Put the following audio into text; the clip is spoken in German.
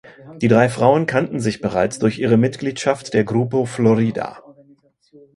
Die drei Frauen kannten sich bereits durch ihre Mitgliedschaft der Grupo Florida.